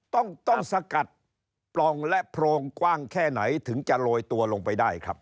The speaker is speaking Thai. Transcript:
ต้องต้องสกัดปล่องและโพรงกว้างแค่ไหนถึงจะโรยตัวลงไปได้ครับ